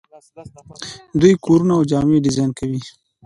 دوی کورونه او جامې ډیزاین کوي.